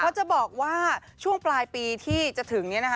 จะบอกว่าช่วงปลายปีที่จะถึงนี้นะคะ